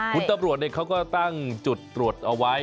คุณตำรวจเขาก็ตั้งจุดตรวจเอาไว้